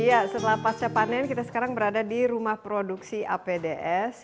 iya setelah pasca panen kita sekarang berada di rumah produksi apds